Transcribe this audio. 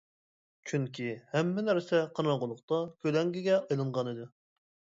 چۈنكى ھەممە نەرسە قاراڭغۇلۇقتا كۆلەڭگىگە ئايلانغانىدى.